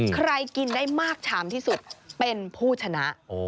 กินได้มากชามที่สุดเป็นผู้ชนะ